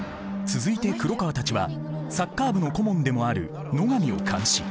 続いて黒川たちはサッカー部の顧問でもある野上を監視。